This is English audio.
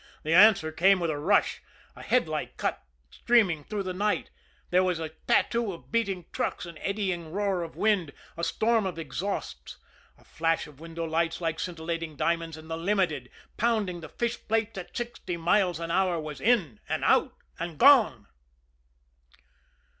The answer came with a rush a headlight cut streaming through the night, there was a tattoo of beating trucks, an eddying roar of wind, a storm of exhausts, a flash of window lights like scintillating diamonds, and the Limited, pounding the fish plates at sixty miles an hour, was in and out and gone.